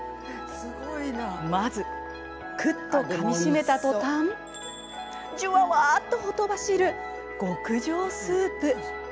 まず、くっとかみしめたとたんじゅわわーっとほとばしる極上スープ。